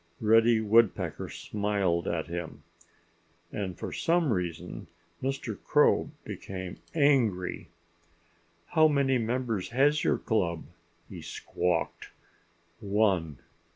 Reddy Woodpecker smiled at him. And for some reason Mr. Crow became angry. "How many members has your club?" he squawked. "One!"